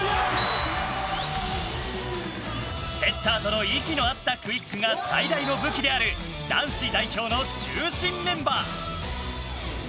セッターとの息の合ったクイックが最大の武器である男子代表の中心メンバー。